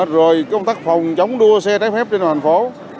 rồi công tác phòng chống đua xe trái phép trên thành phố